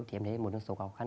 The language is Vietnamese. thì em thấy một số khó khăn